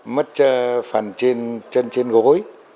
mất phần chân trên gối